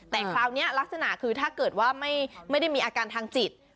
แต่คราวนี้ลักษณะคือถ้าเกิดว่าไม่ได้มีอาการทางจิต